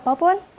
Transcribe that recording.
ada apa puan